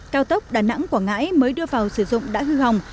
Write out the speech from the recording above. cao tốc đà nẵng quảng ngãi mới đưa vào sử dụng đã hư hỏng